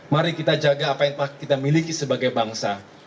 mari kita jaga apa yang kita miliki sebagai bangsa